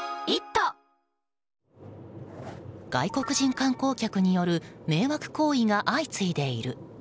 外国人観光客による迷惑行為が相次いでいる。